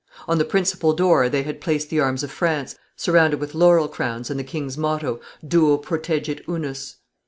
On the principal door they had placed the arms of France, surrounded with laurel crowns, and the king's motto: Duo protegit unus.